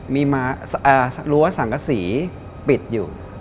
มีรั้วสังกษีปิดอยู่